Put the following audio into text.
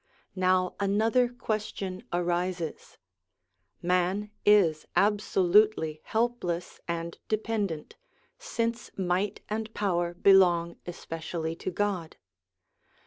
Now another question arises: Man is absolutely helpless and dependent, since might and power belong especially to God.